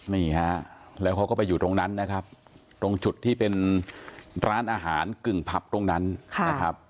นี่ฮะแล้วเขาก็ไปอยู่ตรงนั้นนะครับ